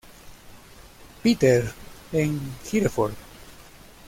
Peter, en Hereford.